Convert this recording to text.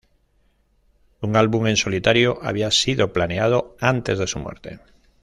Un álbum en solitario había sido planeado antes de su muerte.